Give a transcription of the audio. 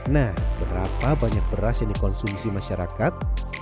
nah berapa banyak beras yang dikonsumsi masyarakat